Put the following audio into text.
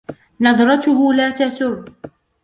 نظْرتُهُ لا تسُرّ.